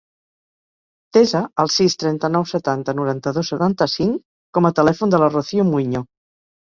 Desa el sis, trenta-nou, setanta, noranta-dos, setanta-cinc com a telèfon de la Rocío Muiño.